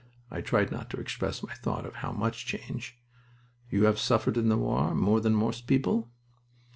I tried not to express my thought of how much change. "You have suffered in the war more than most people?"